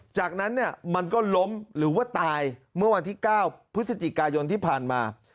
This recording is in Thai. จากนั้นเนี่ยมันก็ล้มหรือว่าตายเมื่อวันที่๙พฤศจิกายนที่ผ่านมา